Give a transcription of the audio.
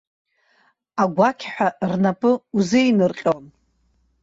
Агәақьҳәа рнапы узеинырҟьон.